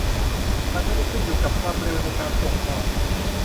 มันไม่ได้ขึ้นอยู่กับความเร็วในการส่งของ